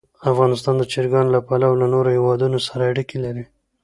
افغانستان د چرګانو له پلوه له نورو هېوادونو سره اړیکې لري.